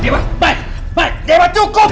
semua yang penting cukup